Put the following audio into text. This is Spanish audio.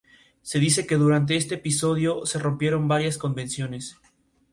Esto varía con el tipo de planta y del tejido expuesto a bajas temperaturas.